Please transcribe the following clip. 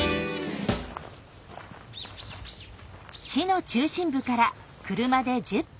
市の中心部から車で１０分。